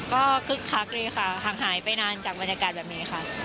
ก็คึกคักเลยค่ะห่างหายไปนานจากบรรยากาศแบบนี้ค่ะ